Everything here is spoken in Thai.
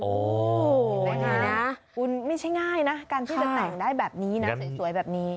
โอ้โหยังไงนะคุณไม่ใช่ง่ายนะการที่จะแต่งได้แบบนี้นะสวยแบบนี้